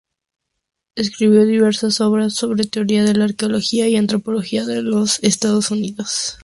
Escribió diversas obras sobre teoría de la arqueología y antropología de los Estados Unidos.